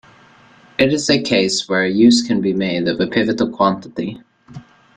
It is a case where use can be made of a pivotal quantity.